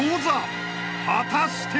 ［果たして？］